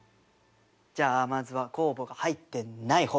じゃあまずは酵母が入ってない方から。